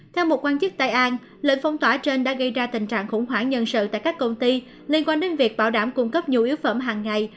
theo một quan chức tây an lệnh phong tỏa trên đã gây ra tình trạng khủng hoảng nhân sự tại các công ty liên quan đến việc bảo đảm cung cấp nhu yếu phẩm hàng ngày